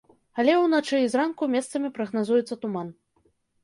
Але ўначы і зранку месцамі прагназуецца туман.